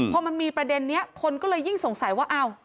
พอมันมีประเด็นนี้คนก็เลยยิ่งสงสัยว่าอ้าว